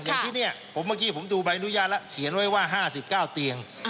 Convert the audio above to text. อย่างที่นี่เมื่อกี้ผมดูใบอนุญาตแล้วเขียนไว้ว่า๕๙เตียง